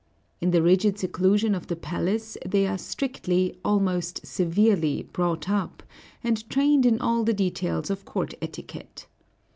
In the rigid seclusion of the palace they are strictly, almost severely, brought up, and trained in all the details of court etiquette.